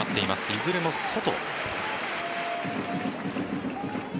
いずれも外。